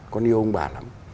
con yêu ông bà lắm